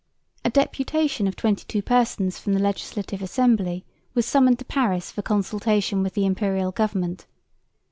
A deputation of twenty two persons from the Legislative Assembly was summoned to Paris for consultation with the Imperial Government.